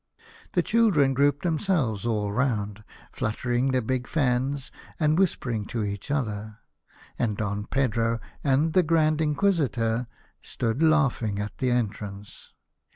The children grouped themselves all round, fluttering their big fans and whisper ing to each other, and Don Pedro and the Grand Inquisitor stood laughing at the en trance.